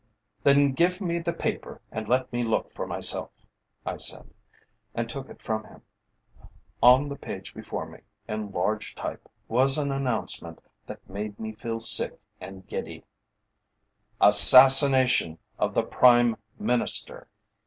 "Then give me the paper and let me look for myself," I said, and took it from him. On the page before me, in large type, was an announcement that made me feel sick and giddy: "ASSASSINATION OF THE PRIME MINISTER!"